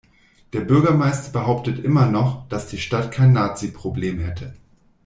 Der Bürgermeister behauptet immer noch, dass die Stadt kein Naziproblem hätte.